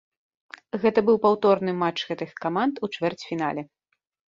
Гэта быў паўторны матч гэтых каманд у чвэрцьфінале.